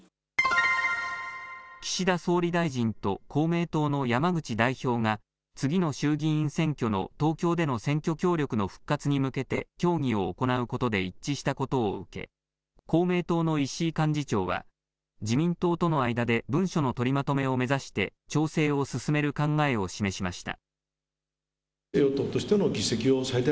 岸田総理大臣と公明党の山口代表が次の衆議院選挙の東京での選挙協力の復活に向けて協議を行うことで一致したことを受け、公明党の石井幹事長は自民党との間で文書の取りまとめを目指して調整を進める考えを示しました。